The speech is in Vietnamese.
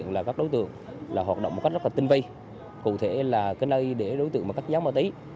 một cách rất là tinh vi cụ thể là cái nơi để đối tượng cắt giáo ma túy